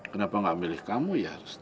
kenapa gak milih kamu ya harus